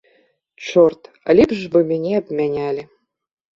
Чорт, лепш бы мяне абмянялі.